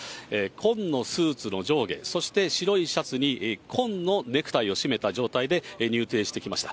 紺のスーツの上下、そして白いシャツに紺のネクタイを締めた状態で入廷してきました。